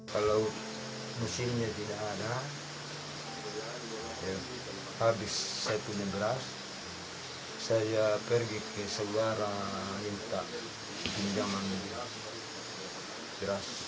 kalau musimnya tidak ada habis saya punya beras saya pergi ke saudara minta pinjaman yang beras